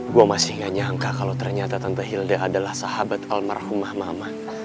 gue masih gak nyangka kalau ternyata tante hilda adalah sahabat almarhumah mama